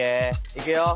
いくよ。